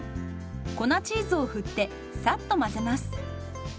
粉チーズを振ってサッと混ぜます。